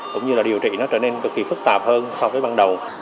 cũng như là điều trị nó trở nên cực kỳ phức tạp hơn so với ban đầu